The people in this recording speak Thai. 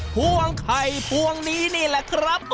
พวงไข่พวงนี้นี่แหละครับ